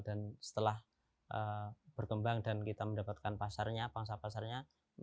dan setelah berkembang dan kita mendapatkan pasarnya pangsa pasarnya